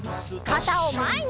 かたをまえに！